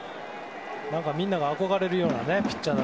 みんなが憧れるようなピッチャーで。